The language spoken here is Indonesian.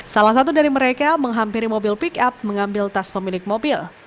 salah satu dari mereka menghampiri mobil pick up mengambil tas pemilik mobil